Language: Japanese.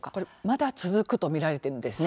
まだ続くと見られているんです。